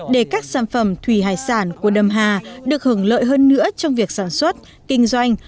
để các sản phẩm thủy hải sản của đầm hà được hưởng lợi hơn nữa trong việc sản xuất kinh doanh